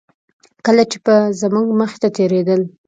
کله چې به زموږ مخې ته تېرېدل.